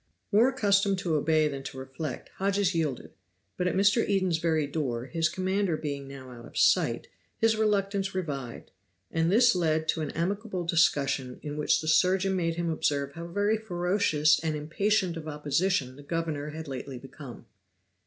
More accustomed to obey than to reflect, Hodges yielded, but at Mr. Eden's very door, his commander being now out of sight, his reluctance revived; and this led to an amicable discussion in which the surgeon made him observe how very ferocious and impatient of opposition the governor had lately become.